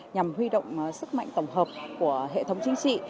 nhằm huy động sức mạnh tổng hợp của hệ thống chính trị